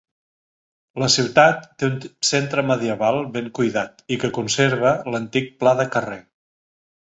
La ciutat té un centre medieval ben cuidat i que conserva l'antic pla de carrer.